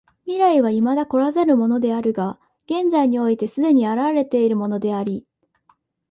未来は未だ来らざるものであるが現在において既に現れているものであり、